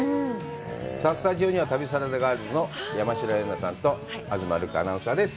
さあ、スタジオには、旅サラダガールズの山代エンナさんと、東留伽アナウンサーです。